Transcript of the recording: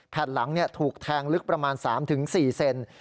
หลังถูกแทงลึกประมาณ๓๔เซน